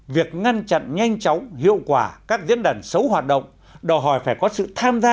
việc ngăn chặn nhanh chóng hiệu quả các diễn đàn xấu hoạt động đòi hỏi phải có sự tham gia